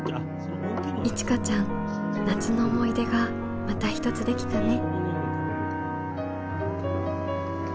いちかちゃん夏の思い出がまた一つできたね。